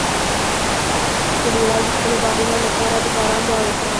کلیوال د خپلو باغونو لپاره د باران دعا وکړه.